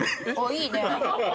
いいね。